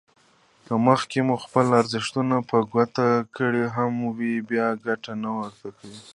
که مخکې مو خپل ارزښتونه په ګوته کړي هم وي بيا کتنه ورته وکړئ.